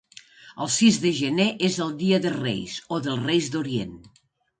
El sis de gener és el dia de Reis, o dels Reis d’Orient.